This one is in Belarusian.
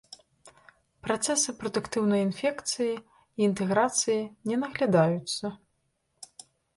Працэсы прадуктыўнай інфекцыі і інтэграцыі не наглядаюцца.